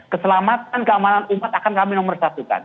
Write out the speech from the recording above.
keselamatan keamanan umat akan kami nomor satukan